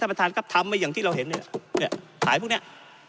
ประธานครับทำไว้อย่างที่เราเห็นเนี่ยขายพวกเนี้ย